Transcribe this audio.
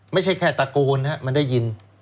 ไม่ใช่แค่ตะโกนนะครับมันได้ยิน